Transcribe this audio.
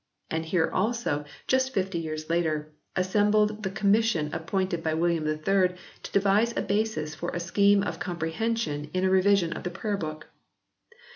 And here, also, just fifty years later, assembled the Com mission appointed by William III to devise a basis for a scheme of comprehension in a revision of the Prayer Book.